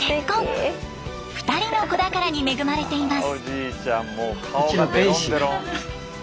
２人の子宝に恵まれています。